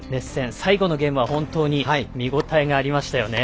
最後のゲームは本当に見応えありましたよね。